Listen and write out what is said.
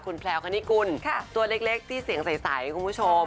คุณแพลวคณิกุลตัวเล็กที่เสียงใสคุณผู้ชม